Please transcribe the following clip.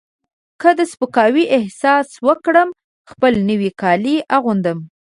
که د سپکاوي احساس وکړم خپل نوي کالي اغوندم.